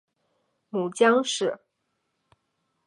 母江氏。